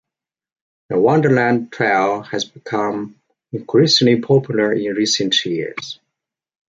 The Wonderland Trail has become increasingly popular in recent years.